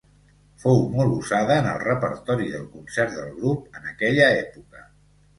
Fou molt usada en el repertori del concert del grup en aquella època.